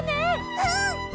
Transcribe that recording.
うん！